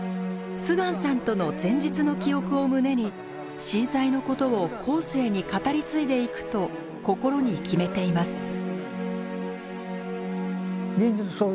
秀光さんとの前日の記憶を胸に震災のことを後世に語り継いでいくと心に決めています。